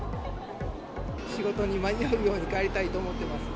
仕事に間に合うように帰りたいと思ってます。